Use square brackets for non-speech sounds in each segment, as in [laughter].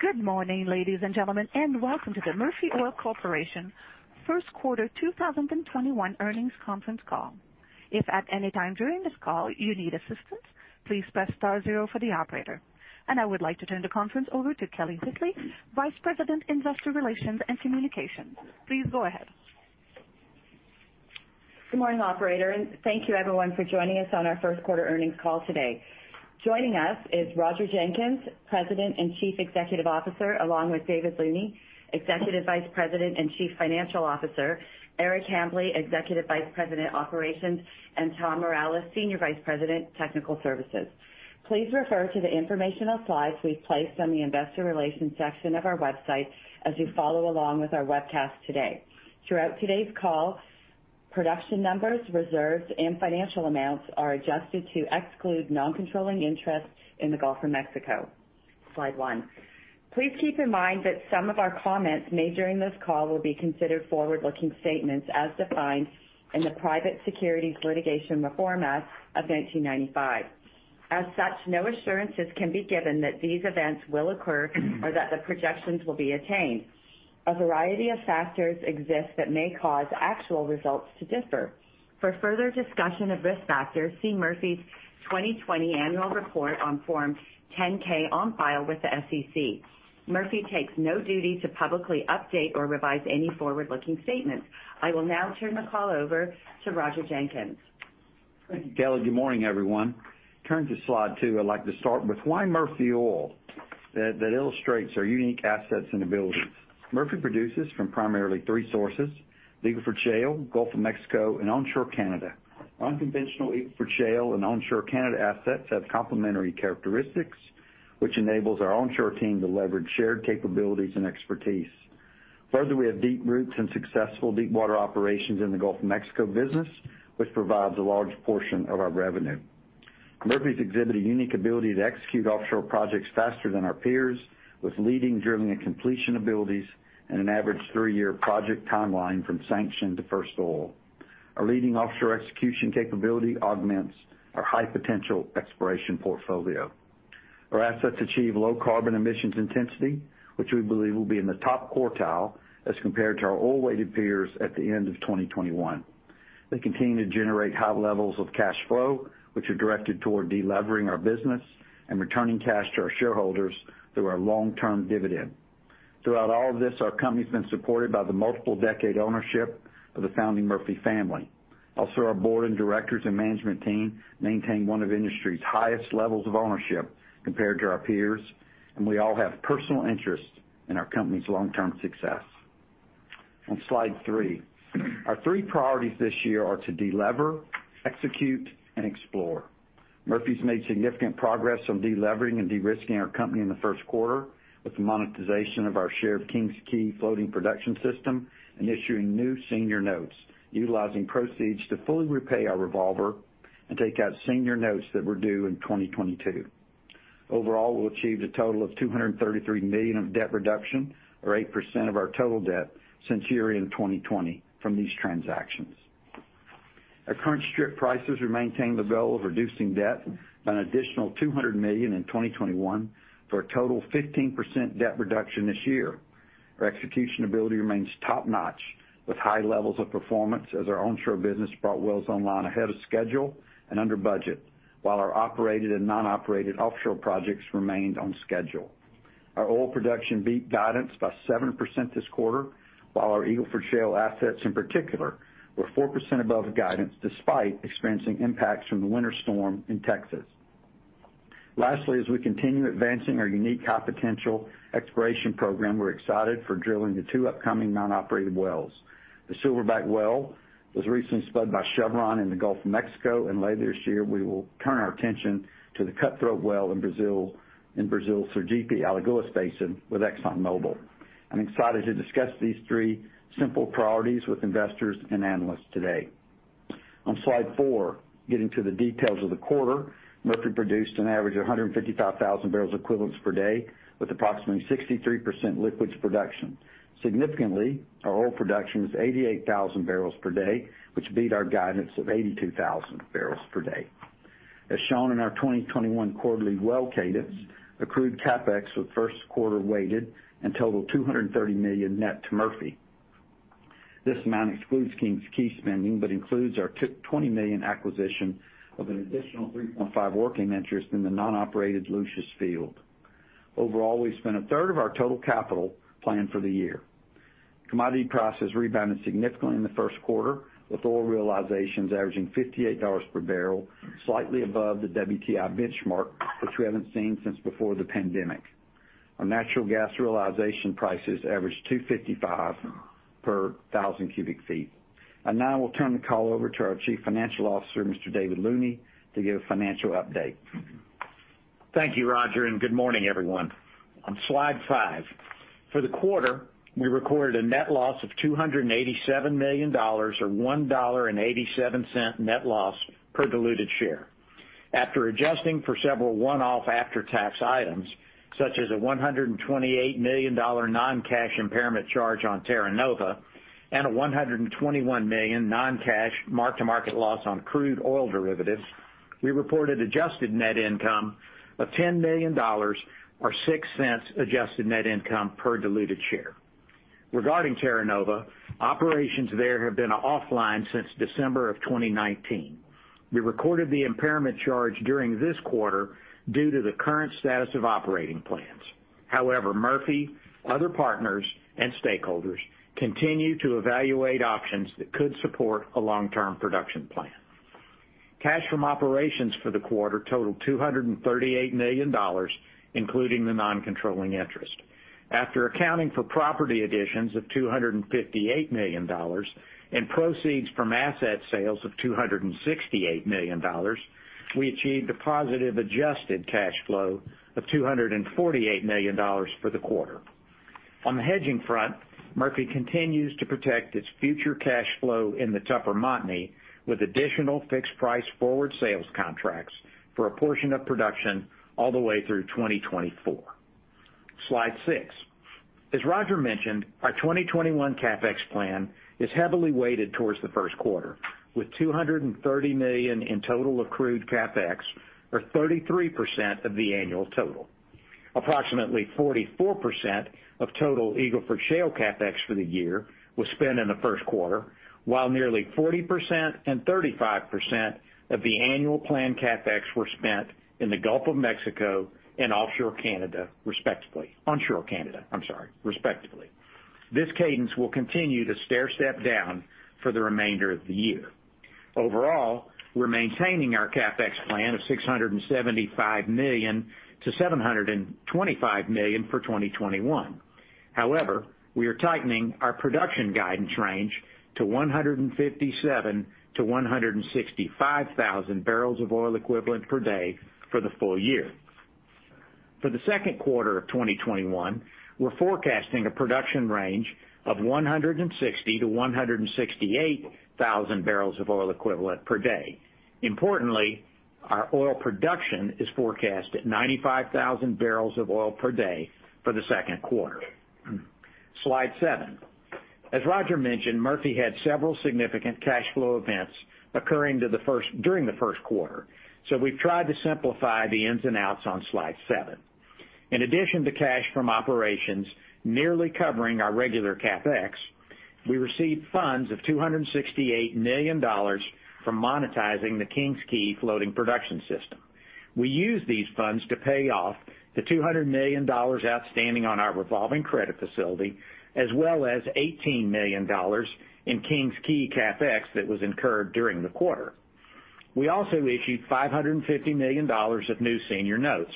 Good morning, ladies and gentlemen, and welcome to the Murphy Oil Corporation First Quarter 2021 Earnings Conference Call. If at any time during this call you need assistance, please press star zero for the operator. I would like to turn the conference over to Kelly Whitley, Vice President, Investor Relations and Communications. Please go ahead. Good morning, operator, and thank you everyone for joining us on our First Quarter Earnings Call today. Joining us is Roger Jenkins, President and Chief Executive Officer, along with David Looney, Executive Vice President and Chief Financial Officer, Eric Hambly, Executive Vice President, Operations, and Tom Mireles, Senior Vice President, Technical Services. Please refer to the informational slides we've placed on the investor relations section of our website as you follow along with our webcast today. Throughout today's call, production numbers, reserves, and financial amounts are adjusted to exclude non-controlling interests in the Gulf of Mexico. Slide one. Please keep in mind that some of our comments made during this call will be considered forward-looking statements as defined in the Private Securities Litigation Reform Act of 1995. As such, no assurances can be given that these events will occur or that the projections will be attained. A variety of factors exist that may cause actual results to differ. For further discussion of risk factors, see Murphy's 2020 annual report on Form 10-K on file with the SEC. Murphy takes no duty to publicly update or revise any forward-looking statements. I will now turn the call over to Roger Jenkins. Thank you, Kelly. Good morning, everyone. Turning to slide two, I'd like to start with why Murphy Oil? That illustrates our unique assets and abilities. Murphy produces from primarily three sources, Eagle Ford Shale, Gulf of Mexico, and onshore Canada. Unconventional Eagle Ford Shale and onshore Canada assets have complementary characteristics, which enables our onshore team to leverage shared capabilities and expertise. Further, we have deep roots in successful deepwater operations in the Gulf of Mexico business, which provides a large portion of our revenue. Murphy's exhibited unique ability to execute offshore projects faster than our peers with leading drilling and completion abilities and an average three-year project timeline from sanction to first oil. Our leading offshore execution capability augments our high-potential exploration portfolio. Our assets achieve low carbon emissions intensity, which we believe will be in the top quartile as compared to our oil-weighted peers at the end of 2021. They continue to generate high levels of cash flow, which are directed toward de-levering our business and returning cash to our shareholders through our long-term dividend. Throughout all of this, our company's been supported by the multiple decade ownership of the founding Murphy family. Also, our Board of Directors and Management Team maintain one of the industry's highest levels of ownership compared to our peers, and we all have personal interest in our company's long-term success. On slide three. Our three priorities this year are to de-lever, execute, and explore. Murphy's made significant progress on de-levering and de-risking our company in the first quarter with the monetization of our share of King's Quay floating production system and issuing new senior notes, utilizing proceeds to fully repay our revolver and take out senior notes that were due in 2022. Overall, we'll achieve the total of $233 million of debt reduction or 8% of our total debt since year-end 2020 from these transactions. At current strip prices, we maintain the goal of reducing debt by an additional $200 million in 2021 for a total 15% debt reduction this year. Our execution ability remains top-notch with high levels of performance as our onshore business brought wells online ahead of schedule and under budget, while our operated and non-operated offshore projects remained on schedule. Our oil production beat guidance by 7% this quarter, while our Eagle Ford Shale assets in particular were 4% above guidance despite experiencing impacts from the winter storm in Texas. Lastly, as we continue advancing our unique high-potential exploration program, we're excited for drilling the two upcoming non-operated wells. The Silverback well was recently spudded by Chevron in the Gulf of Mexico, and later this year, we will turn our attention to the Cutthroat well in Brazil's Sergipe-Alagoas Basin with ExxonMobil. I'm excited to discuss these three simple priorities with investors and analysts today. On slide four, getting to the details of the quarter. Murphy produced an average of 155,000 bbl equivalents per day with approximately 63% liquids production. Significantly, our oil production was 88,000 bbl per day, which beat our guidance of 82,000 bbl per day. As shown in our 2021 quarterly well cadence, accrued CapEx was first quarter weighted and totaled $230 million net to Murphy. This amount excludes King's Quay spending but includes our $20 million acquisition of an additional 3.5 working interest in the non-operated Lucius field. Overall, we spent a third of our total capital planned for the year. Commodity prices rebounded significantly in the first quarter, with oil realizations averaging $58 per bbl, slightly above the WTI benchmark, which we haven't seen since before the pandemic. Our natural gas realization prices averaged $2.55 per 1,000 cu ft. I now will turn the call over to our Chief Financial Officer, Mr. David Looney, to give a financial update. Thank you, Roger, and good morning, everyone. On slide five. For the quarter, we recorded a net loss of $287 million, or $1.87 net loss per diluted share. After adjusting for several one-off after-tax items, such as a $128 million non-cash impairment charge on Terra Nova and a $121 million non-cash mark-to-market loss on crude oil derivatives We reported adjusted net income of $10 million, or $0.06 adjusted net income per diluted share. Regarding Terra Nova, operations there have been offline since December of 2019. We recorded the impairment charge during this quarter due to the current status of operating plans. However, Murphy, other partners, and stakeholders continue to evaluate options that could support a long-term production plan. Cash from operations for the quarter totaled $238 million, including the non-controlling interest. After accounting for property additions of $258 million and proceeds from asset sales of $268 million, we achieved a positive adjusted cash flow of $248 million for the quarter. On the hedging front, Murphy continues to protect its future cash flow in the Tupper Montney with additional fixed price forward sales contracts for a portion of production all the way through 2024. Slide six. As Roger mentioned, our 2021 CapEx plan is heavily weighted towards the first quarter, with $230 million in total accrued CapEx, or 33% of the annual total. Approximately 44% of total Eagle Ford Shale CapEx for the year was spent in the first quarter, while nearly 40% and 35% of the annual planned CapEx were spent in the Gulf of Mexico and offshore Canada, respectively. Onshore Canada, I'm sorry, respectively. This cadence will continue to stairstep down for the remainder of the year. Overall, we're maintaining our CapEx plan of $675 million-$725 million for 2021. However, we are tightening our production guidance range to 157,000 bbl-165,000 bbl of oil equivalent per day for the full-year. For the second quarter of 2021, we're forecasting a production range of 160,000 bbl-168,000 bbl of oil equivalent per day. Importantly, our oil production is forecast at 95,000 bbl of oil per day for the second quarter. Slide seven. As Roger mentioned, Murphy had several significant cash flow events occurring during the first quarter, so we've tried to simplify the ins and outs on slide seven. In addition to cash from operations nearly covering our regular CapEx, we received funds of $268 million from monetizing the King's Quay floating production system. We used these funds to pay off the $200 million outstanding on our revolving credit facility, as well as $18 million in King's Quay CapEx that was incurred during the quarter. We also issued $550 million of new senior notes,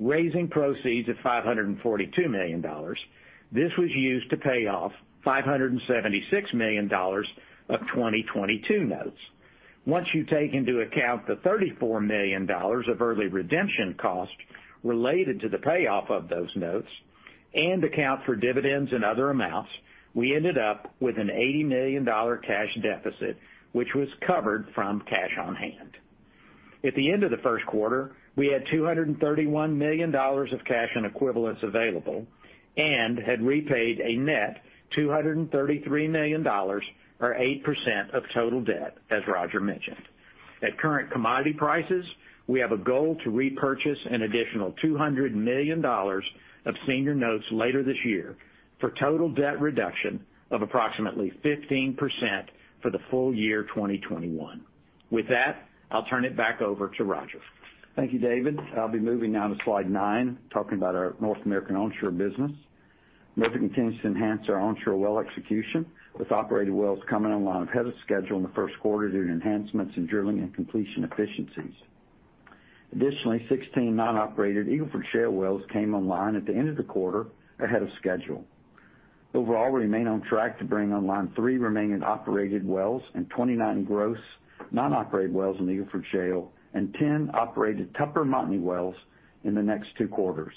raising proceeds of $542 million. This was used to pay off $576 million of 2022 notes. Once you take into account the $34 million of early redemption costs related to the payoff of those notes and account for dividends and other amounts, we ended up with an $80 million cash deficit, which was covered from cash on hand. At the end of the first quarter, we had $231 million of cash and equivalents available and had repaid a net $233 million, or 8% of total debt, as Roger mentioned. At current commodity prices, we have a goal to repurchase an additional $200 million of senior notes later this year for total debt reduction of approximately 15% for the full-year 2021. With that, I'll turn it back over to Roger. Thank you, David. I'll be moving now to slide nine, talking about our North American onshore business. Murphy continues to enhance our onshore well execution, with operated wells coming online ahead of schedule in the first quarter due to enhancements in drilling and completion efficiencies. Additionally, 16 non-operated Eagle Ford Shale wells came online at the end of the quarter ahead of schedule. Overall, we remain on track to bring online three remaining operated wells and 29 gross non-operated wells in the Eagle Ford Shale and 10 operated Tupper Montney wells in the next two quarters.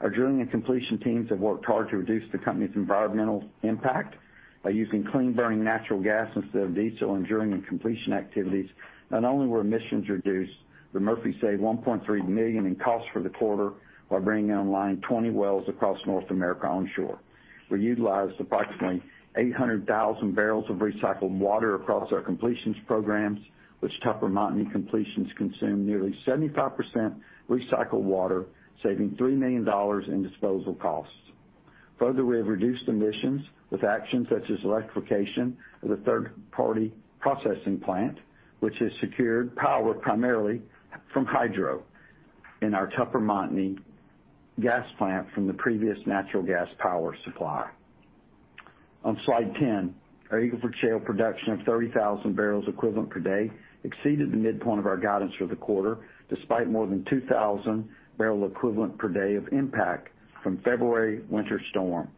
Our drilling and completion teams have worked hard to reduce the company's environmental impact by using clean-burning natural gas instead of diesel in drilling and completion activities. Not only were emissions reduced, but Murphy saved $1.3 million in costs for the quarter by bringing online 20 wells across North America onshore. We utilized approximately 800,000 bbl of recycled water across our completions programs, which Tupper Montney completions consumed nearly 75% recycled water, saving $3 million in disposal costs. We have reduced emissions with actions such as electrification of the third-party processing plant, which has secured power primarily from hydro in our Tupper Montney gas plant from the previous natural gas power supply. On slide 10, our Eagle Ford Shale production of 30,000 bbl equivalent per day exceeded the midpoint of our guidance for the quarter, despite more than 2,000 bbl equivalent per day of impact from February winter storm.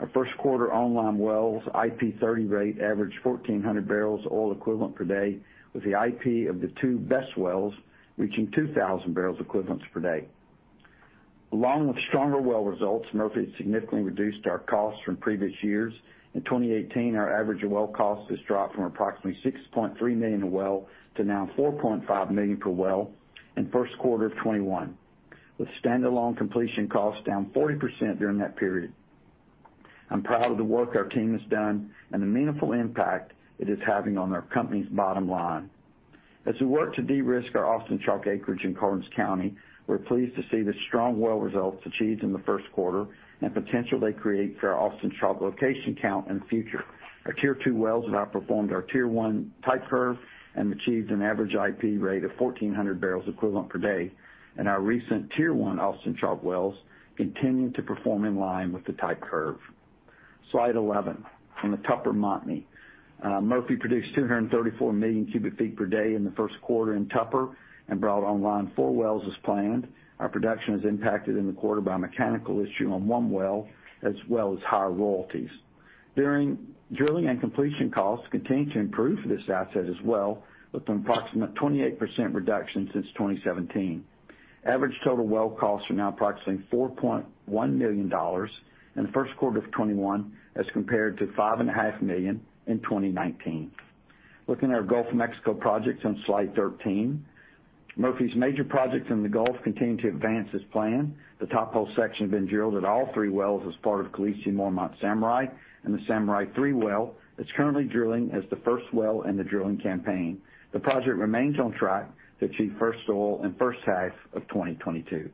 Our first quarter online wells IP 30 rate averaged 1,400 bbl oil equivalent per day, with the IP of the two best wells reaching 2,000 bbl equivalent per day. Along with stronger well results Murphy Oil has significantly reduced our costs from previous years. In 2018, our average well cost has dropped from approximately $6.3 million a well to now $4.5 million per well in first quarter 2021, with standalone completion costs down 40% during that period. I'm proud of the work our team has done and the meaningful impact it is having on our company's bottom-line. As we work to de-risk our Austin Chalk acreage in Karnes County, we're pleased to see the strong well results achieved in the first quarter and the potential they create for our Austin Chalk location count in the future. Our Tier two wells have outperformed our Tier one type curve and achieved an average IP rate of 1,400 bbl equivalent per day. Our recent Tier one Austin Chalk wells continue to perform in line with the type curve. Slide 11. On the Tupper Montney. Murphy produced 234 million cu ft per day in the first quarter in Tupper and brought online four wells as planned. Our production was impacted in the quarter by a mechanical issue on one well, as well as higher royalties. During drilling and completion costs continued to improve for this asset as well, with an approximate 28% reduction since 2017. Average total well costs are now approximately $4.1 million in the first quarter of 2021 as compared to $5.5 million in 2019. Looking at our Gulf of Mexico projects on slide 13. Murphy's major projects in the Gulf continue to advance as planned. The top hole section has been drilled at all three wells as part of Khaleesi/Mormont and Samurai, and the Samurai three well is currently drilling as the first well in the drilling campaign. The project remains on track to achieve first oil in the first half of 2022.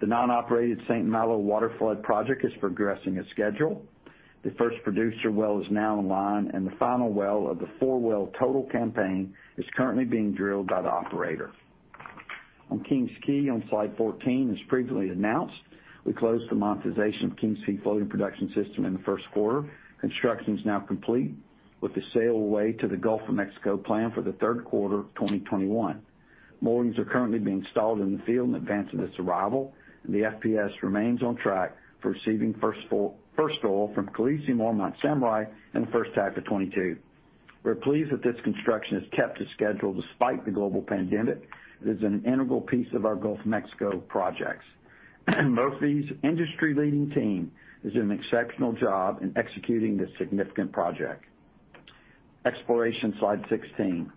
The non-operated St. Malo water flood project is progressing as scheduled. The first producer well is now online, and the final well of the four-well total campaign is currently being drilled by the operator. On King's Quay, on slide 14, as previously announced, we closed the monetization of King's Quay Floating Production System in the first quarter. Construction's now complete with the sail away to the Gulf of Mexico planned for the third quarter of 2021. Moorings are currently being installed in the field in advance of its arrival, and the FPS remains on track for receiving first oil from Khaleesi/Mormont and Samurai in the first half of 2022. We're pleased that this construction has kept to schedule despite the global pandemic. It is an integral piece of our Gulf of Mexico projects. Murphy's industry-leading team has done an exceptional job in executing this significant project. Exploration, slide 16.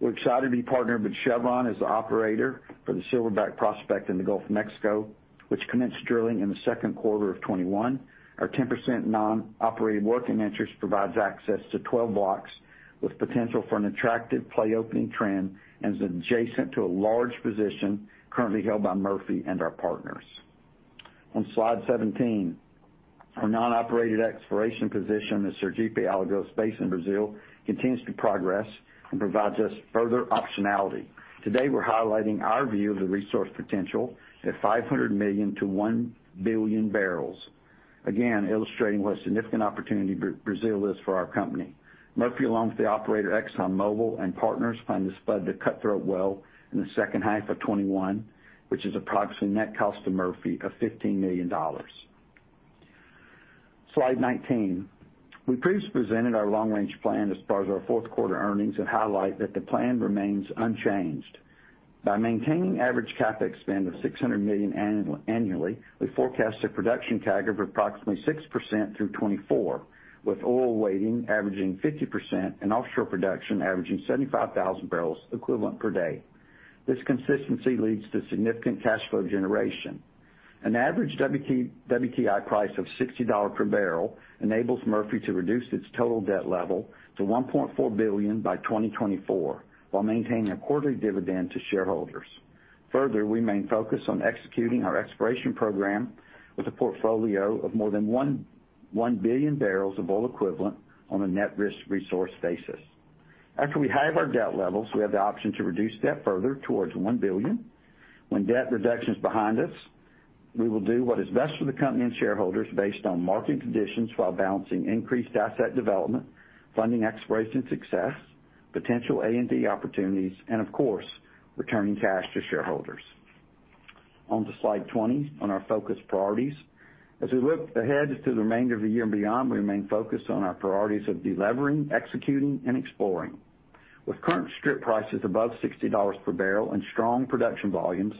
We're excited to be partnered with Chevron as the operator for the Silverback prospect in the Gulf of Mexico, which commenced drilling in the second quarter of 2021. Our 10% non-operated working interest provides access to 12 blocks with potential for an attractive play opening trend and is adjacent to a large position currently held by Murphy and our partners. On slide 17, our non-operated exploration position in Sergipe-Alagoas Basin, Brazil, continues to progress and provides us further optionality. Today, we're highlighting our view of the resource potential at 500 million-1 billion bbl, again, illustrating what a significant opportunity Brazil is for our company. Murphy, along with the operator ExxonMobil and partners, plan to spud the Cutthroat well in the second half of 2021, which is approximately net cost to Murphy of $15 million. Slide 19. We previously presented our long-range plan as part of our fourth quarter earnings and highlight that the plan remains unchanged. By maintaining average CapEx spend of $600 million annually, we forecast a production CAGR of approximately 6% through 2024, with oil weighting averaging 50% and offshore production averaging 75,000 bbl equivalent per day. This consistency leads to significant cash flow generation. An average WTI price of $60 per bbl enables Murphy to reduce its total debt level to $1.4 billion by 2024 while maintaining a quarterly dividend to shareholders. We remain focused on executing our exploration program with a portfolio of more than 1 billion bbl of oil equivalent on a net risk resource basis. After we halve our debt levels, we have the option to reduce debt further towards $1 billion. When debt reduction is behind us, we will do what is best for the company and shareholders based on market conditions while balancing increased asset development, funding exploration success, potential A&D opportunities, and of course, returning cash to shareholders. On to slide 20 on our focus priorities. As we look ahead to the remainder of the year and beyond, we remain focused on our priorities of de-levering, executing, and exploring. With current strip prices above $60 per bbl and strong production volumes,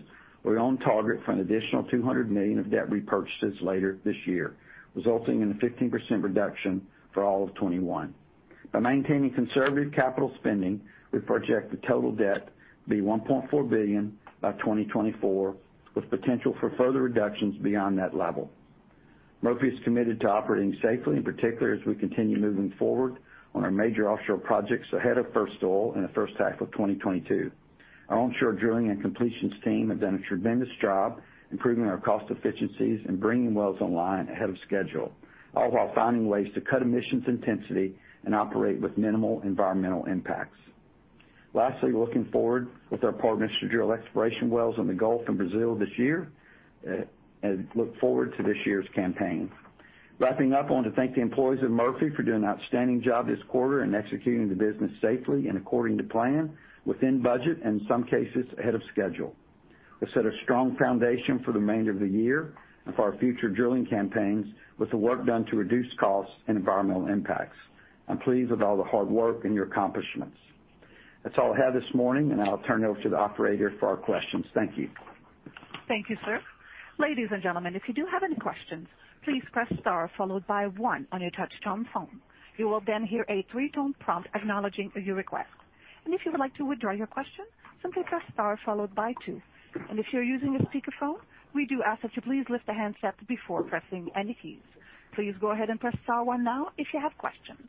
we are on target for an additional $200 million of debt repurchases later this year, resulting in a 15% reduction for all of 2021. By maintaining conservative capital spending, we project the total debt to be $1.4 billion by 2024, with potential for further reductions beyond that level. Murphy is committed to operating safely, in particular as we continue moving forward on our major offshore projects ahead of first oil in the first half of 2022. Our onshore drilling and completions team have done a tremendous job improving our cost efficiencies and bringing wells online ahead of schedule, all while finding ways to cut emissions intensity and operate with minimal environmental impacts. Lastly, looking forward with our partners to drill exploration wells in the Gulf and Brazil this year, and look forward to this year's campaign. Wrapping-up, I want to thank the employees of Murphy for doing an outstanding job this quarter in executing the business safely and according to plan, within budget, and in some cases, ahead of schedule. We've set a strong foundation for the remainder of the year and for our future drilling campaigns with the work done to reduce costs and environmental impacts. I'm pleased with all the hard work and your accomplishments. That's all I have this morning, and I'll turn it over to the operator for our questions. Thank you. Thank you, sir. Ladies and gentlemen, if you do have any questions, please press star followed by one on your touchtone phone. You will then hear a three-tone prompt acknowledging your request. If you would like to withdraw your question, simply press star followed by two. If you're using a speakerphone, we do ask that you please lift the handset before pressing any keys. Please go ahead and press star one now if you have questions.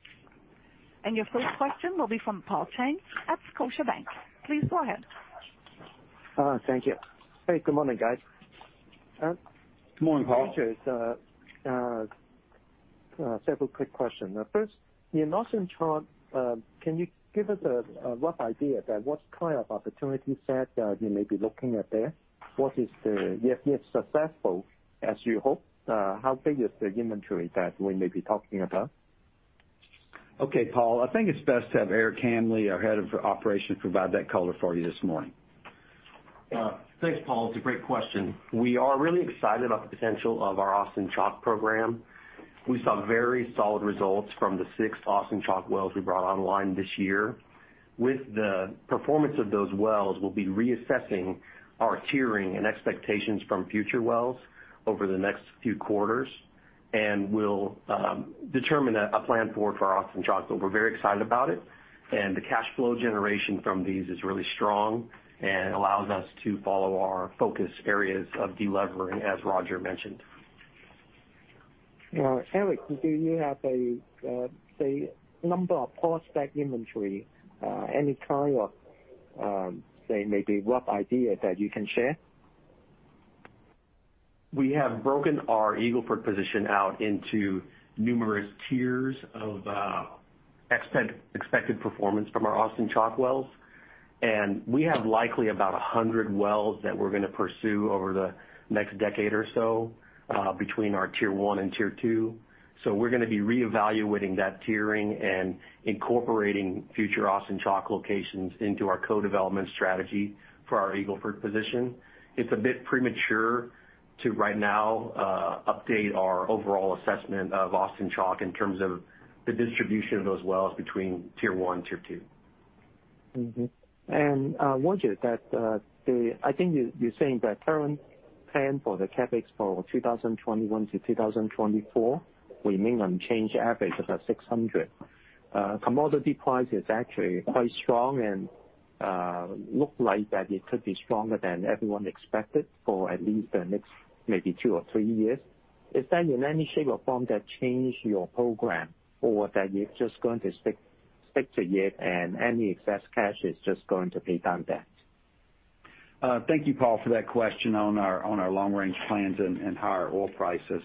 Your first question will be from Paul Cheng at Scotiabank. Please go ahead. Thank you. Hey, good morning, guys. Good morning, Paul. Roger, several quick questions. In Austin Chalk, can you give us a rough idea about what kind of opportunity set that you may be looking at there? Successful as you hope, how big is the inventory that we may be talking about? Okay, Paul, I think it's best to have Eric Hambly, our Head of Operations, provide that color for you this morning. Thanks, Paul. It's a great question. We are really excited about the potential of our Austin Chalk program. We saw very solid results from the six Austin Chalk wells we brought online this year. With the performance of those wells, we'll be reassessing our tiering and expectations from future wells over the next few quarters, and we'll determine a plan forward for our Austin Chalk. We're very excited about it. The cash flow generation from these is really strong and allows us to follow our focus areas of de-levering, as Roger mentioned. Eric, do you have a number of [prospect] inventory? Any kind of maybe rough idea that you can share? We have broken our Eagle Ford position out into numerous tiers of expected performance from our Austin Chalk wells. We have likely about 100 wells that we're going to pursue over the next decade or so between our tier one and tier two. We're going to be re-evaluating that tiering and incorporating future Austin Chalk locations into our co-development strategy for our Eagle Ford position. It's a bit premature to right now update our overall assessment of Austin Chalk in terms of the distribution of those wells between tier one, tier two. Roger, I think you're saying the current plan for the CapEx for 2021-2024 will remain unchanged average about $600. Commodity price is actually quite strong and look like that it could be stronger than everyone expected for at least the next maybe two or three years. Is that in any shape or form that change your program or that you're just going to stick to it and any excess cash is just going to pay down debt? Thank you, Paul, for that question on our long-range plans and higher oil prices.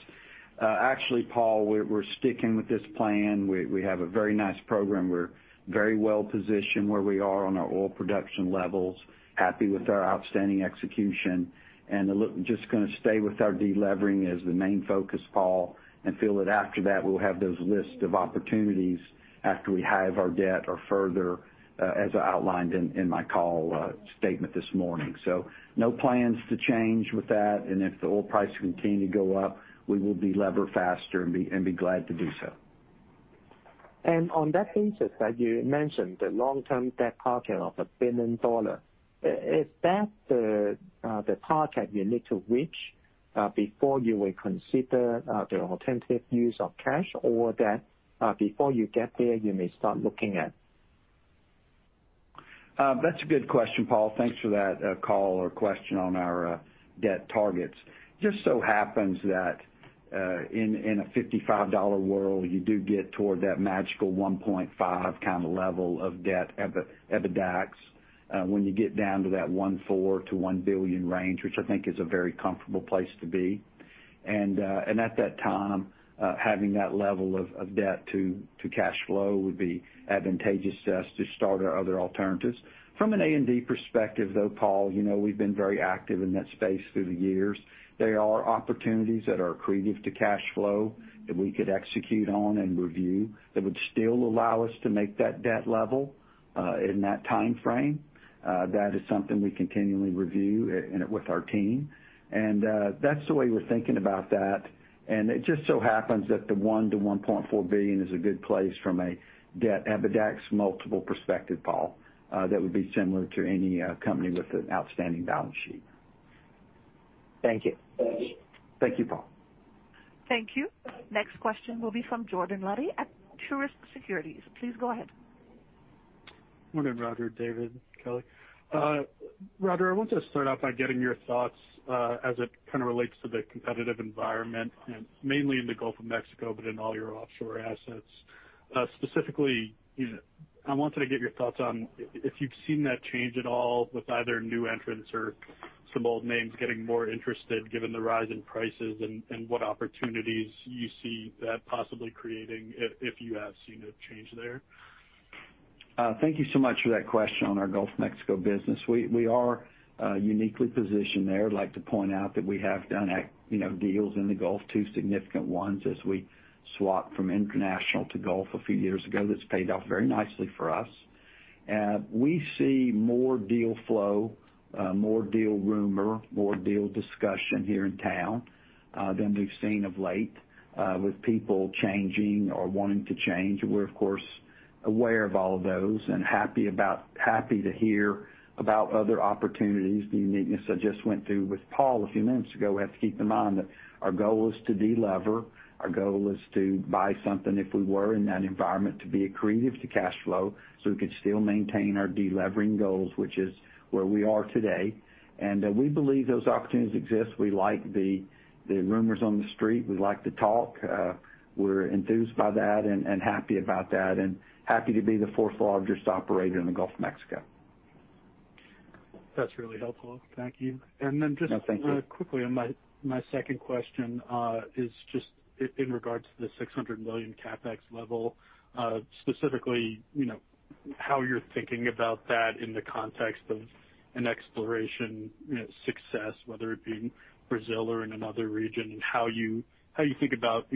Actually, Paul, we're sticking with this plan. We have a very nice program. We're very well-positioned where we are on our oil production levels, happy with our outstanding execution, and just going to stay with our de-levering as the main focus, Paul, and feel that after that, we'll have those lists of opportunities after we halve our debt or further, as I outlined in my call statement this morning. No plans to change with that. If the oil price continue to go up, we will de-lever faster and be glad to do so. On that interest that you mentioned, the long-term debt target of $1 billion, is that the target you need to reach before you will consider the alternative use of cash or that before you get there, you may start looking at? That's a good question, Paul. Thanks for that call or question on our debt targets. Just so happens that in a $55 world, you do get toward that magical 1.5 kind of level of debt EBITDAX. You get down to that $1.4 billion-$1 billion range, which I think is a very comfortable place to be. At that time, having that level of debt to cash flow would be advantageous to us to start our other alternatives. From an A&D perspective, though, Paul, we've been very active in that space through the years. There are opportunities that are accretive to cash flow that we could execute on and review that would still allow us to make that debt level in that time frame. That is something we continually review with our team. That's the way we're thinking about that. It just so happens that the $1 billion-$1.4 billion is a good place from a debt EBITDAX multiple perspective, Paul. That would be similar to any company with an outstanding balance sheet. Thank you. Thank you, Paul. Thank you. Next question will be from Jordan Levy at Truist Securities. Please go ahead. Morning, Roger, David, Kelly. Roger, I want to start off by getting your thoughts as it kind of relates to the competitive environment, mainly in the Gulf of Mexico, but in all your offshore assets. Specifically, I wanted to get your thoughts on if you've seen that change at all with either new entrants or some old names getting more interested given the rise in prices and what opportunities you see that possibly creating if you have seen a change there? Thank you so much for that question on our Gulf of Mexico business. We are uniquely positioned there. I'd like to point out that we have done deals in the Gulf, two significant ones as we swapped from international to Gulf a few years ago. That's paid off very nicely for us. We see more deal flow, more deal rumor, more deal discussion here in town than we've seen of late with people changing or wanting to change. We're of course, aware of all of those and happy to hear about other opportunities. The uniqueness I just went through with Paul a few minutes ago, we have to keep in mind that our goal is to de-lever. Our goal is to buy something if we were in that environment to be accretive to cash flow, so we could still maintain our de-levering goals, which is where we are today. We believe those opportunities exist. We like the rumors on the street. We like to talk. We're enthused by that and happy about that, and happy to be the fourth largest operator in the Gulf of Mexico. That's really helpful. Thank you. No, thank you. Just quickly, my second question is just in regards to the $600 million CapEx level, specifically how you're thinking about that in the context of an exploration success, whether it be in Brazil or in another region, how you think about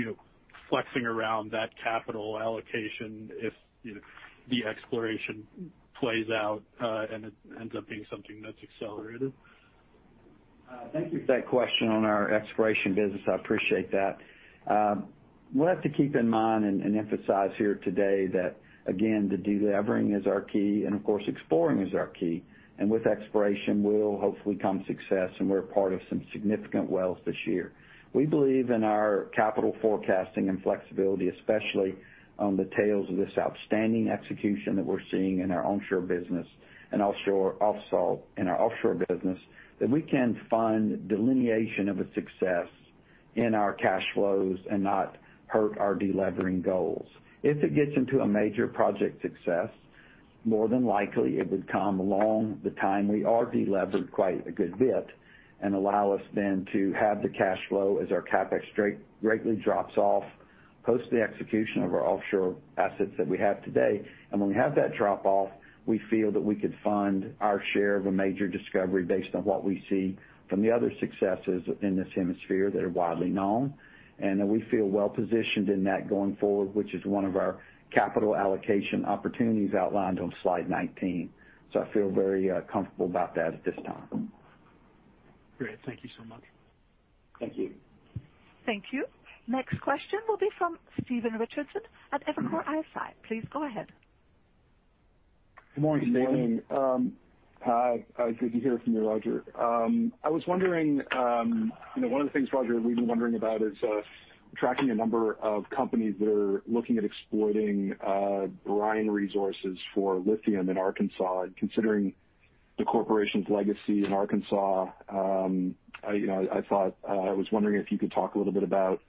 flexing around that capital allocation if the exploration plays out, and it ends up being something that's accelerated. Thank you for that question on our exploration business. I appreciate that. We'll have to keep in mind and emphasize here today that, again, the de-levering is our key, and of course, exploring is our key. With exploration will hopefully come success, and we're part of some significant wells this year. We believe in our capital forecasting and flexibility, especially on the tails of this outstanding execution that we're seeing in our onshore business and in our offshore business, that we can find delineation of a success in our cash flows and not hurt our de-levering goals. If it gets into a major project success, more than likely it would come along the time we are de-levered quite a good bit and allow us then to have the cash flow as our CapEx greatly drops off post the execution of our offshore assets that we have today. When we have that drop off, we feel that we could fund our share of a major discovery based on what we see from the other successes in this hemisphere that are widely known, and that we feel well-positioned in that going forward, which is one of our capital allocation opportunities outlined on slide 19. I feel very comfortable about that at this time. Great. Thank you so much. Thank you. Thank you. Next question will be from Stephen Richardson at Evercore ISI. Please go ahead. Good morning. Good morning. Hi. Good to hear from you, Roger. One of the things, Roger, we've been wondering about is tracking a number of companies that are looking at exploiting brine resources for lithium in Arkansas. Considering the corporation's legacy in Arkansas, I was wondering if you could talk a little bit about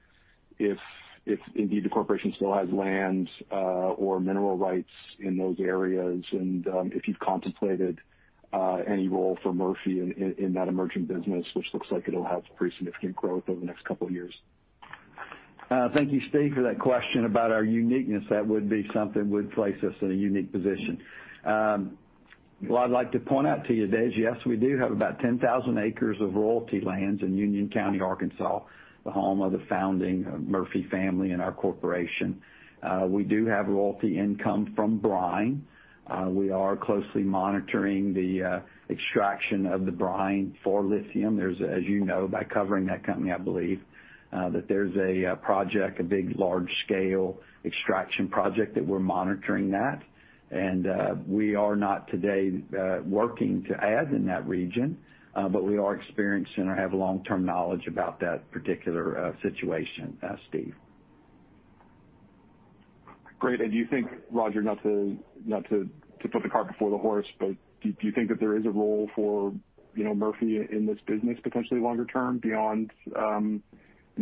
if indeed the corporation still has land or mineral rights in those areas, and if you've contemplated any role for Murphy in that emerging business, which looks like it'll have pretty significant growth over the next couple of years. Thank you, Steve, for that question about our uniqueness. That would be something would place us in a unique position. What I'd like to point out to you today is, yes, we do have about 10,000 acres of royalty lands in Union County, Arkansas, the home of the founding Murphy family in our corporation. We do have royalty income from brine. We are closely monitoring the extraction of the brine for lithium. As you know by covering that company, I believe, that there's a project, a big, large-scale extraction project that we're monitoring that. We are not today working to add in that region, but we are experienced and have long-term knowledge about that particular situation, Steve. Great. Do you think, Roger, not to put the cart before the horse, but do you think that there is a role for Murphy in this business potentially longer-term beyond,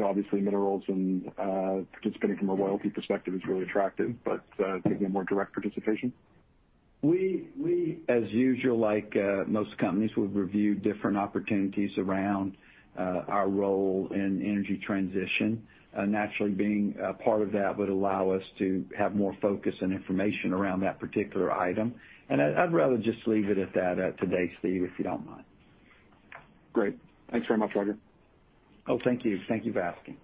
obviously minerals and participating from a royalty perspective is really attractive, but taking a more direct participation? We, as usual, like most companies, will review different opportunities around our role in energy transition. Naturally, being a part of that would allow us to have more focus and information around that particular item. I'd rather just leave it at that today, Steve, if you don't mind. Great. Thanks very much, Roger. Oh, thank you. Thank you for asking.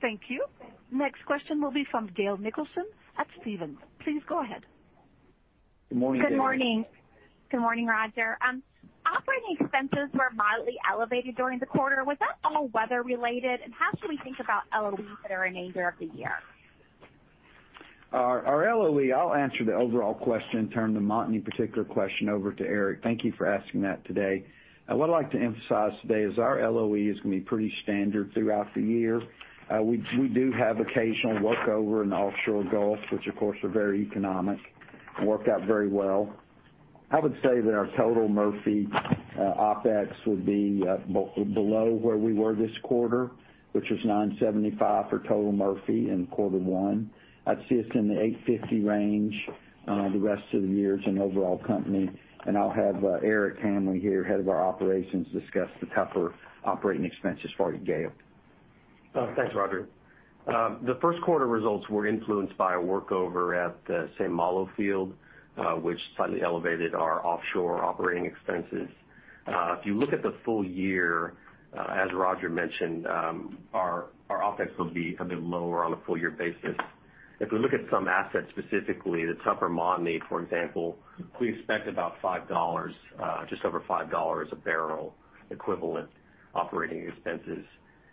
Thank you. Next question will be from Gail Nicholson at Stephens. Please go ahead. Good morning, Gail. Good morning, Roger. Operating expenses were mildly elevated during the quarter. Was that all weather related, and how should we think about LOE for the remainder of the year? Our LOE, I'll answer the overall question, turn the Montney particular question over to Eric. Thank you for asking that today. What I'd like to emphasize today is our LOE is going to be pretty standard throughout the year. We do have occasional workover in the offshore Gulf, which of course are very economic, work out very well. I would say that our total Murphy OpEx would be below where we were this quarter, which is $9.75 for total Murphy in quarter one. I'd see us in the $850 range the rest of the year as an overall company. I'll have Eric Hambly here, Head of our Operations, discuss the Tupper operating expenses for you, Gail. Thanks, Roger. The first quarter results were influenced by a workover at the St. Malo field, which slightly elevated our offshore operating expenses. If you look at the full-year, as Roger mentioned, our OpEx will be a bit lower on a full-year basis. If we look at some assets specifically, the Tupper Montney, for example, we expect just over $5 a bbl equivalent operating expenses.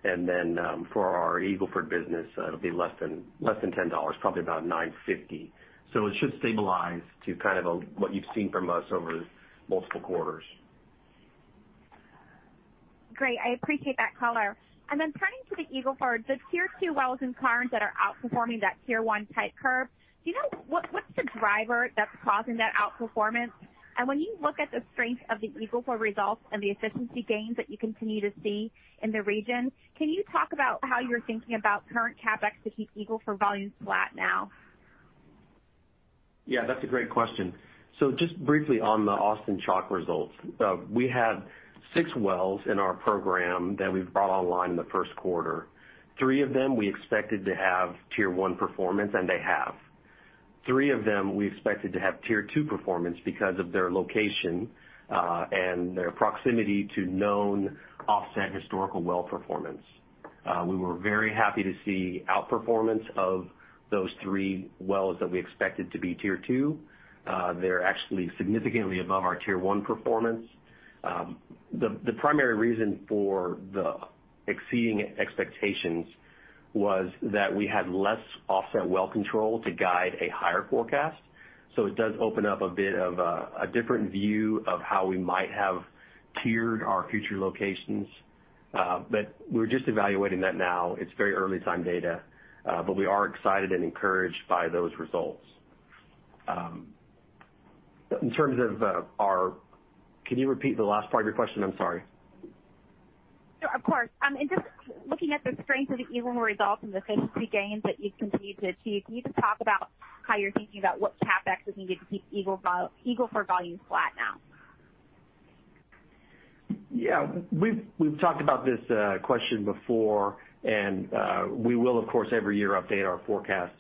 For our Eagle Ford business, it'll be less than $10, probably about $9.50. It should stabilize to what you've seen from us over multiple quarters. Great. I appreciate that color. Turning to the Eagle Ford, the Tier two wells in Karnes that are outperforming that Tier one type curve, do you know what's the driver that's causing that outperformance? When you look at the strength of the Eagle Ford results and the efficiency gains that you continue to see in the region, can you talk about how you're thinking about current CapEx to keep Eagle Ford volumes flat now? Yeah, that's a great question. Just briefly on the Austin Chalk results. We had six wells in our program that we've brought online in the first quarter. Three of them we expected to have Tier one performance, and they have. Three of them we expected to have Tier two performance because of their location, and their proximity to known offset historical well performance. We were very happy to see outperformance of those three wells that we expected to be Tier two. They're actually significantly above our Tier one performance. The primary reason for the exceeding expectations was that we had less offset well control to guide a higher forecast. It does open up a bit of a different view of how we might have tiered our future locations. We're just evaluating that now. It's very early time data, but we are excited and encouraged by those results. Can you repeat the last part of your question? I'm sorry. Sure, of course. In just looking at the strength of the Eagle Ford results and the efficiency gains that you've continued to achieve, can you just talk about how you're thinking about what CapEx is needed to keep Eagle Ford volume flat now? Yeah. We've talked about this question before, and we will, of course, every year update our forecast.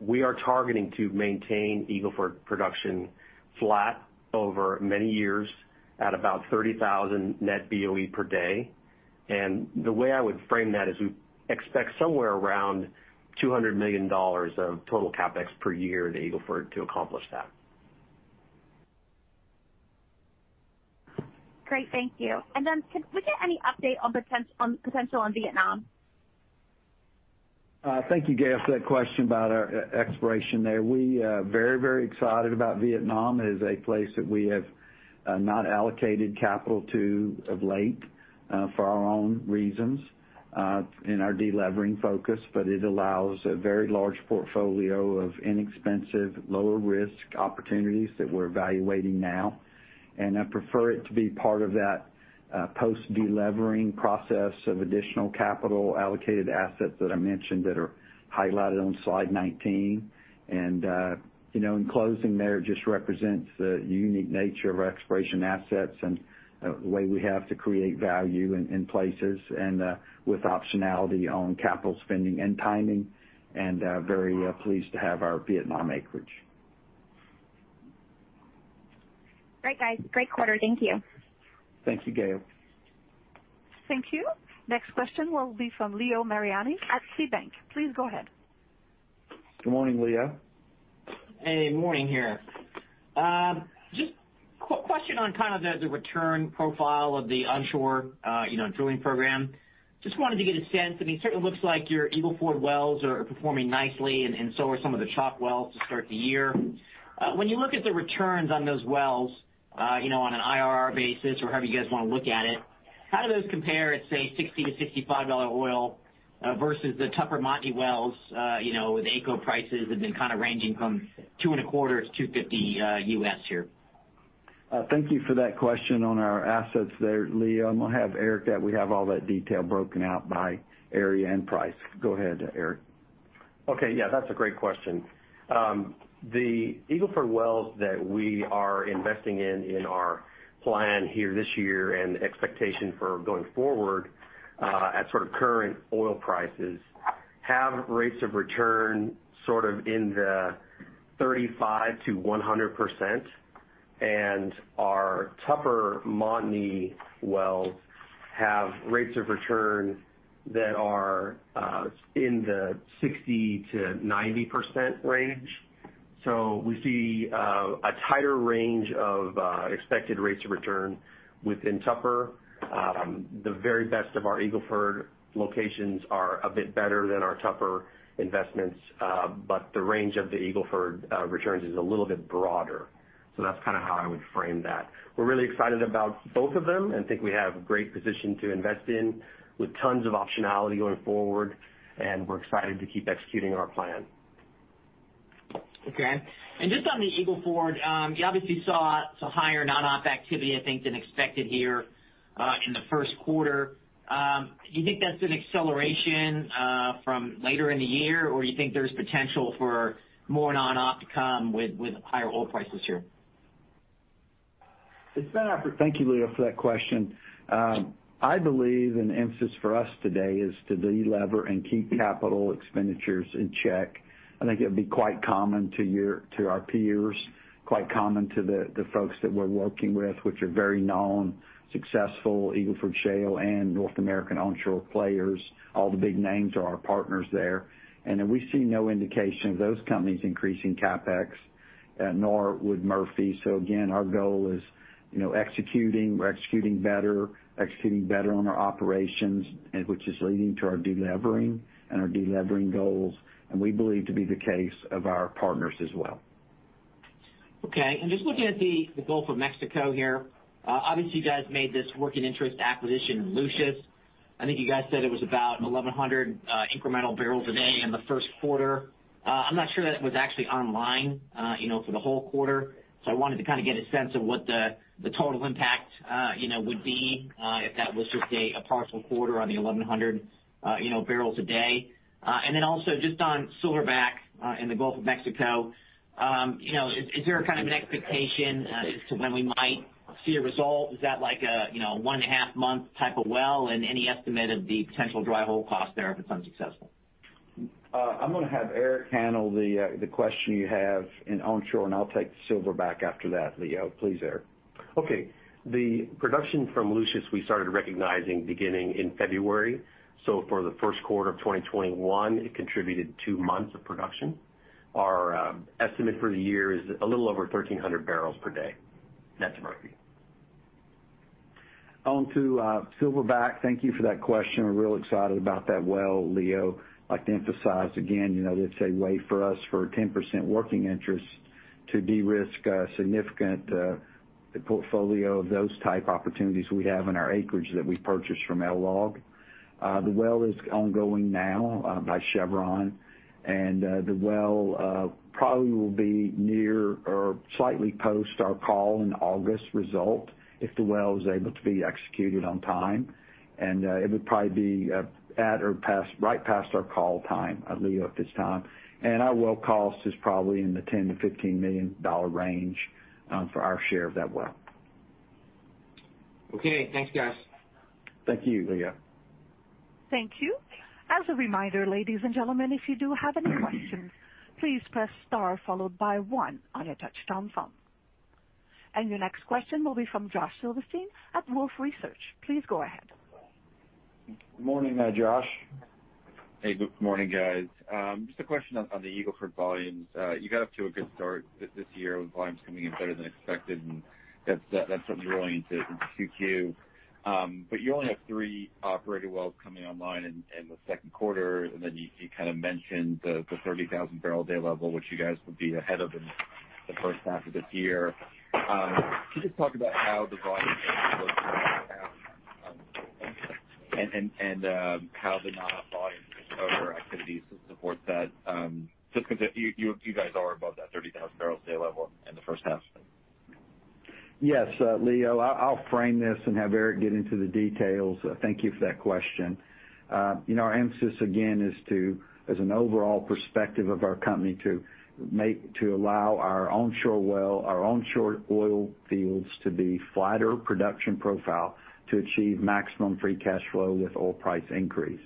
We are targeting to maintain Eagle Ford production flat over many years at about 30,000 net BOE per day. The way I would frame that is we expect somewhere around $200 million of total CapEx per year in the Eagle Ford to accomplish that. Great. Thank you. Can we get any update on potential on Vietnam? Thank you, Gail, for that question about our exploration there. We are very excited about Vietnam. It is a place that we have not allocated capital to of late, for our own reasons, in our de-levering focus. It allows a very large portfolio of inexpensive, lower risk opportunities that we're evaluating now. I prefer it to be part of that post de-levering process of additional capital allocated assets that I mentioned that are highlighted on slide 19. In closing there, it just represents the unique nature of our exploration assets and the way we have to create value in places and with optionality on capital spending and timing, and very pleased to have our Vietnam acreage. Great, guys. Great quarter. Thank you. Thank you, Gail. Thank you. Next question will be from Leo Mariani at KeyBanc. Please go ahead. Good morning, Leo. Hey, morning here. Just question on kind of the return profile of the onshore drilling program. Just wanted to get a sense. I mean, it certainly looks like your Eagle Ford wells are performing nicely, and so are some of the Chalk wells to start the year. When you look at the returns on those wells, on an IRR basis or however you guys want to look at it, how do those compare at, say, $60-$65 oil, versus the Tupper-Montney wells, with AECO prices have been kind of ranging from two and a quarter to $2.50 U.S. here. Thank you for that question on our assets there, Leo. We'll have Eric, that we have all that detail broken out by area and price. Go ahead, Eric. Okay. Yeah, that's a great question. The Eagle Ford wells that we are investing in our plan here this year and the expectation for going forward, at sort of current oil prices, have rates of return sort of in the 35%-100%, and our Tupper-Montney wells have rates of return that are in the 60%-90% range. We see a tighter range of expected rates of return within Tupper. The very best of our Eagle Ford locations are a bit better than our Tupper investments. The range of the Eagle Ford returns is a little bit broader. That's kind of how I would frame that. We're really excited about both of them and think we have a great position to invest in with tons of optionality going forward, and we're excited to keep executing our plan. Okay. Just on the Eagle Ford, you obviously saw some higher non-op activity, I think, than expected here, in the first quarter. Do you think that's an acceleration from later in the year, or you think there's potential for more non-op to come with higher oil prices here? Thank you, Leo, for that question. I believe an emphasis for us today is to de-lever and keep capital expenditures in check. I think it would be quite common to our peers, quite common to the folks that we're working with, which are very known successful Eagle Ford Shale and North American onshore players. All the big names are our partners there. We see no indication of those companies increasing CapEx, nor would Murphy. Again, our goal is executing. We're executing better on our operations and which is leading to our de-levering and our de-levering goals. We believe to be the case of our partners as well. Okay. Just looking at the Gulf of Mexico here. Obviously, you guys made this working interest acquisition in Lucius. I think you guys said it was about 1,100 incremental bbl a day in the first quarter. I'm not sure that was actually online for the whole quarter. I wanted to get a sense of what the total impact would be, if that was just a partial quarter on the 1,100 bbl a day. Then also just on Silverback in the Gulf of Mexico. Is there an expectation as to when we might see a result? Is that like a one and a half month type of well, and any estimate of the potential dry hole cost there if it's unsuccessful? I'm going to have Eric handle the question you have in onshore, and I'll take Silverback after that, Leo. Please, Eric. Okay. The production from Lucius, we started recognizing beginning in February. For the first quarter of 2021, it contributed two months of production. Our estimate for the year is a little over 1,300 bbl per day net to Murphy. On to Silverback. Thank you for that question. We're real excited about that well, Leo. I'd like to emphasize again, it's a way for us for 10% working interest to de-risk a significant portfolio of those type opportunities we have in our acreage that we purchased from LLOG. The well is ongoing now by Chevron, and the well probably will be near or slightly post our call in August result, if the well is able to be executed on time. It would probably be at or right past our call time, Leo, at this time. Our well cost is probably in the $10 million-$15 million range for our share of that well. Okay. Thanks, guys. Thank you, Leo. Thank you. As a reminder, ladies and gentlemen, if you do have any questions, please press star followed by one on your touch-tone phone. Your next question will be from Josh Silverstein at Wolfe Research. Please go ahead. Morning, Josh. Hey, good morning, guys. A question on the Eagle Ford volumes. You got off to a good start this year with volumes coming in better than expected, that's something rolling into 2Q. You only have three operated wells coming online in the second quarter, you kind of mentioned the 30,000 bbl a day level, which you guys would be ahead of in the first half of this year. Can you talk about how the volumes [audio distortion] and how the non-operated volumes and other activities support that, because you guys are above that 30,000 bbl a day level in the first half? Yes. Leo, I'll frame this and have Eric get into the details. Thank you for that question. Our emphasis again is to, as an overall perspective of our company, to allow our onshore oil fields to be flatter production profile to achieve maximum free cash flow with oil price increase.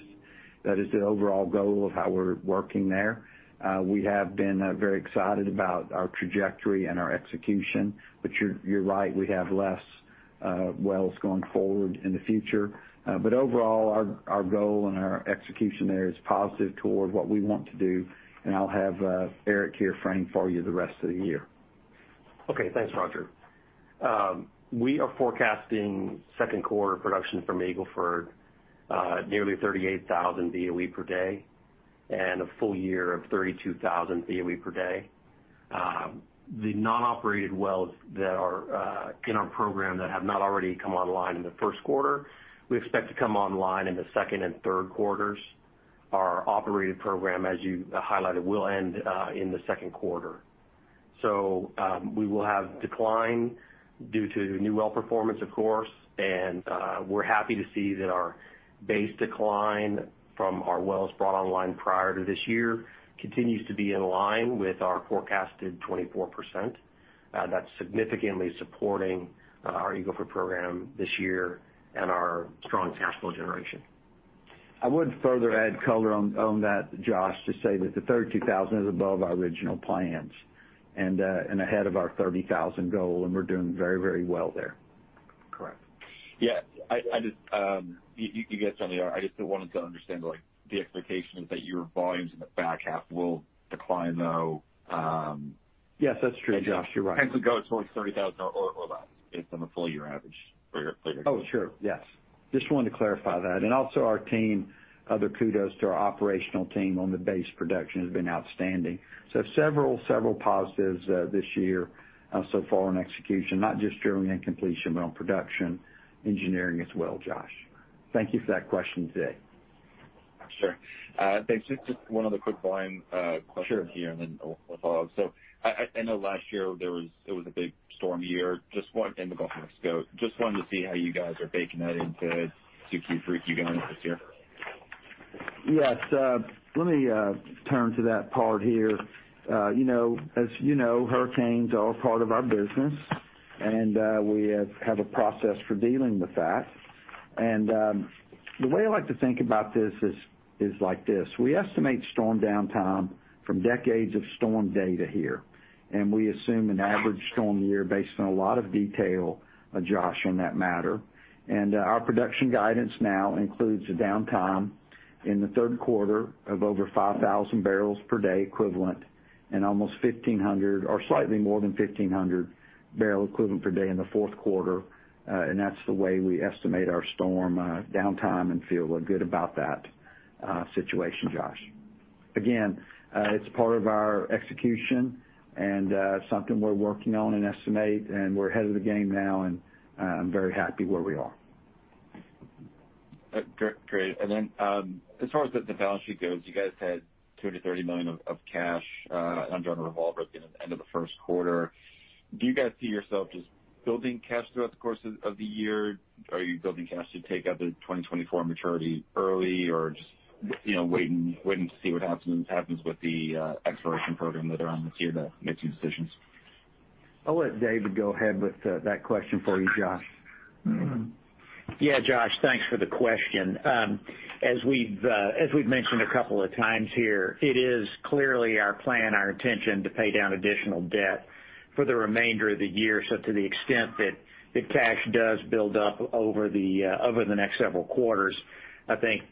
That is the overall goal of how we're working there. We have been very excited about our trajectory and our execution, but you're right, we have less wells going forward in the future. Overall, our goal and our execution there is positive toward what we want to do. I'll have Eric here frame for you the rest of the year. Okay. Thanks, Roger. We are forecasting second quarter production from Eagle Ford nearly 38,000 BOE per day, and a full year of 32,000 BOE per day. The non-operated wells that are in our program that have not already come online in the first quarter, we expect to come online in the second and third quarters. Our operated program, as you highlighted, will end in the second quarter. We will have decline due to new well performance, of course, and we're happy to see that our base decline from our wells brought online prior to this year continues to be in line with our forecasted 24%. That's significantly supporting our Eagle Ford program this year and our strong cash flow generation. I would further add color on that, Josh, to say that the 32,000 is above our original plans and ahead of our 30,000 goal, and we're doing very well there. Correct. Yeah. You get some of there. I just wanted to understand, the expectation is that your volumes in the back half will decline, though. Yes, that's true, Josh. You're right. Go towards 30,000 or above based on the full-year average for your. Oh, sure. Yes. Just wanted to clarify that. Also our team, other kudos to our operational team on the base production has been outstanding. Several positives this year so far on execution, not just drilling and completion, but on production engineering as well, Josh. Thank you for that question today. Sure. Thanks. Just one other quick volume question here, and then I'll follow-up. I know last year it was a big storm year in the Gulf of Mexico. Just wanted to see how you guys are baking that into 2Q for you guys this year. Yes. Let me turn to that part here. As you know, hurricanes are part of our business, and we have a process for dealing with that. The way I like to think about this is like this. We estimate storm downtime from decades of storm data here, and we assume an average storm year based on a lot of detail, Josh, on that matter. Our production guidance now includes the downtime in the third quarter of over 5,000 bbl per day equivalent and almost 1,500 or slightly more than 1,500 bbl equivalent per day in the fourth quarter. That's the way we estimate our storm downtime and feel good about that situation, Josh. Again, it's part of our execution and something we're working on in estimate, and we're ahead of the game now, and I'm very happy where we are. Great. As far as the balance sheet goes, you guys had $230 million of cash under a revolver at the end of the first quarter. Do you guys see yourself just building cash throughout the course of the year? Are you building cash to take out the 2024 maturity early, or just waiting to see what happens with the exploration program later on this year to make some decisions? I'll let David go ahead with that question for you, Josh. Yeah, Josh, thanks for the question. As we've mentioned a couple of times here, it is clearly our plan and our intention to pay down additional debt for the remainder of the year. To the extent that the cash does build up over the next several quarters, I think,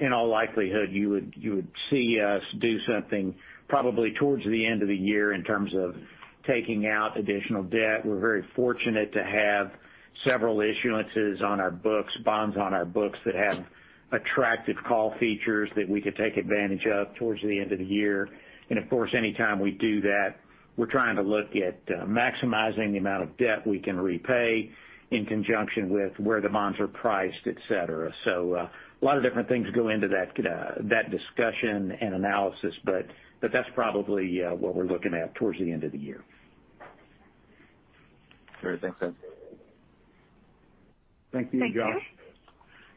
in all likelihood, you would see us do something probably towards the end of the year in terms of taking out additional debt. We're very fortunate to have several issuances on our books, bonds on our books that have attractive call features that we could take advantage of towards the end of the year. Of course, anytime we do that, we're trying to look at maximizing the amount of debt we can repay in conjunction with where the bonds are priced, et cetera. A lot of different things go into that discussion and analysis, but that's probably what we're looking at towards the end of the year. Great. Thanks, David. Thank you, Josh.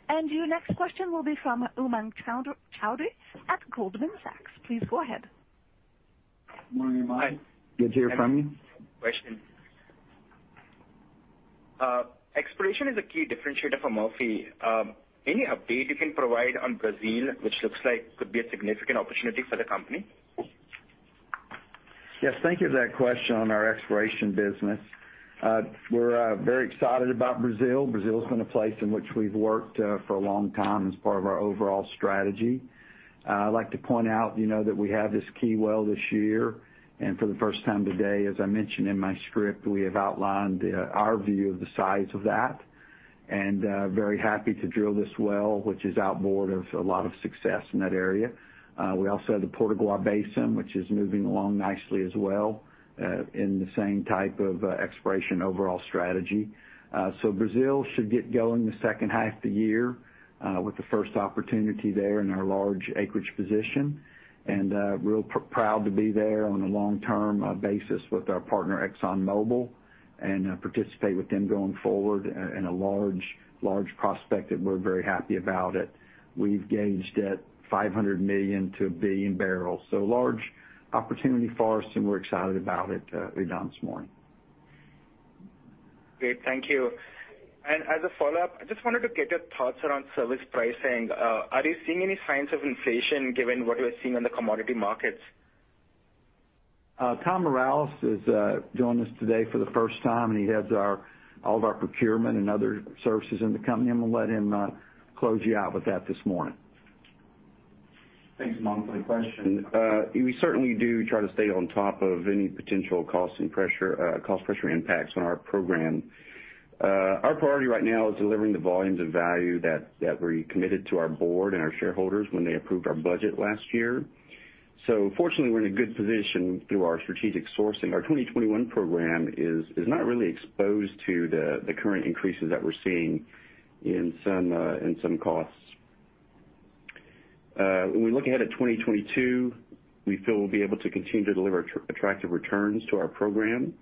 Thank you. Your next question will be from Umang Choudhary at Goldman Sachs. Please go ahead. Morning, Umang. Good to hear from you. Question. Exploration is a key differentiator for Murphy. Any update you can provide on Brazil, which looks like could be a significant opportunity for the company? Yes. Thank you for that question on our exploration business. We're very excited about Brazil. Brazil's been a place in which we've worked for a long time as part of our overall strategy. I like to point out that we have this key well this year, and for the first time today, as I mentioned in my script, we have outlined our view of the size of that. Very happy to drill this well, which is outboard of a lot of success in that area. We also have the Potiguar Basin, which is moving along nicely as well, in the same type of exploration overall strategy. Brazil should get going the second half of the year, with the first opportunity there in our large acreage position. Real proud to be there on a long-term basis with our partner, ExxonMobil, and participate with them going forward in a large prospect that we're very happy about it. We've gauged it 500 million bbl-1 billion bbl. Large opportunity for us, and we're excited about it this morning. Great. Thank you. As a follow-up, I just wanted to get your thoughts around service pricing. Are you seeing any signs of inflation given what you are seeing on the commodity markets? Tom Mireles is joining us today for the first time, and he heads all of our procurement and other services in the company. I'm going to let him close you out with that this morning. Thanks, Umang, for the question. We certainly do try to stay on top of any potential cost pressure impacts on our program. Our priority right now is delivering the volumes of value that we committed to our Board and our shareholders when they approved our budget last year. Fortunately, we're in a good position through our strategic sourcing. Our 2021 program is not really exposed to the current increases that we're seeing in some costs. When we look ahead at 2022, we feel we'll be able to continue to deliver attractive returns to our program.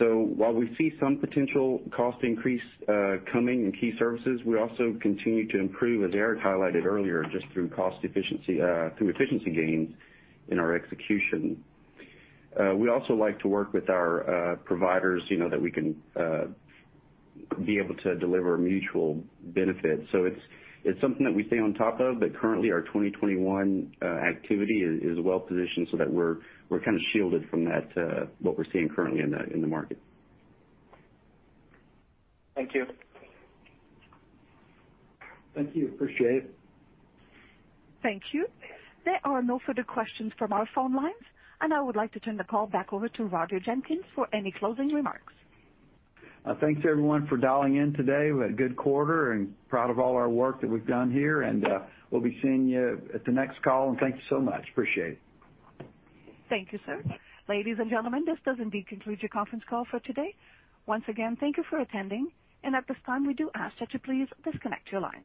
While we see some potential cost increase coming in key services, we also continue to improve, as Eric highlighted earlier, just through cost efficiency, through efficiency gains in our execution. We also like to work with our providers that we can be able to deliver mutual benefit. It's something that we stay on top of, but currently our 2021 activity is well-positioned so that we're kind of shielded from what we're seeing currently in the market. Thank you. Thank you. Appreciate it. Thank you. There are no further questions from our phone lines, and I would like to turn the call back over to Roger Jenkins for any closing remarks. Thanks everyone for dialing in today. We had a good quarter and proud of all our work that we've done here. We'll be seeing you at the next call. Thank you so much. Appreciate it. Thank you, sir. Ladies and gentlemen, this does indeed conclude your conference call for today. Once again, thank you for attending. At this time, we do ask that you please disconnect your lines.